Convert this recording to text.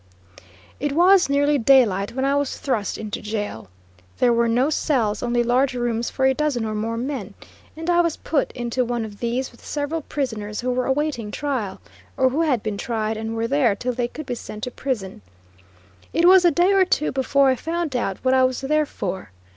It was nearly daylight when I was thrust into jail. There were no cells, only large rooms for a dozen or more men, and I was put, into one of these with several prisoners who were awaiting trial, or who had been tried and were there till they could be sent to prison. It was a day or two before I found out what I was there for.